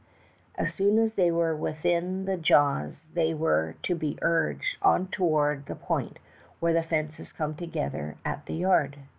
As soon as they were within the jaws they were to be urged on toward the point where the fences came together at the yard.